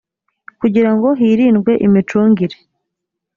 kugira ngo hirindwe imicungire